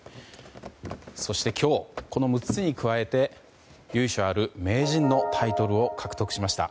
そして今日、この６つに加えて由緒ある名人のタイトルを獲得しました。